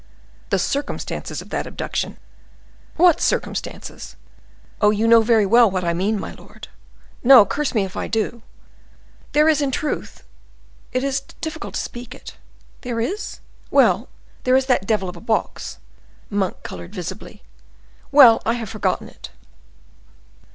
"The circumstances of that abduction." "What circumstances?" "Oh! you know very well what I mean, my lord." "No, curse me if I do." "There is—in truth, it is difficult to speak it." "There is?" "Well, there is that devil of a box!" Monk colored visibly. "Well, I have forgotten it."